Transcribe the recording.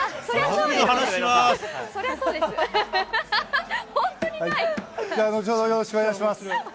本当にな後ほどよろしくお願いします。